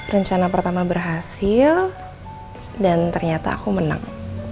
rencana pertama berhasil dan ternyata aku menang